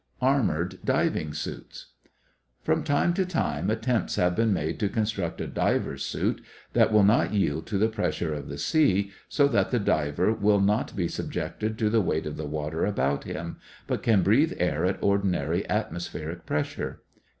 ARMORED DIVING SUITS From time to time attempts have been made to construct a diver's suit that will not yield to the pressure of the sea, so that the diver will not be subjected to the weight of the water about him, but can breathe air at ordinary atmospheric pressure.